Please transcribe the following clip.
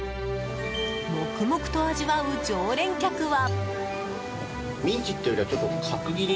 黙々と味わう常連客は。